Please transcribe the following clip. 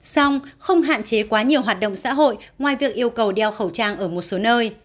xong không hạn chế quá nhiều hoạt động xã hội ngoài việc yêu cầu đeo khẩu trang ở một số nơi